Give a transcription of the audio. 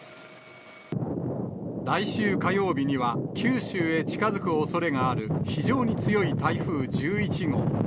来週火曜日には、九州へ近づくおそれがある、非常に強い台風１１号。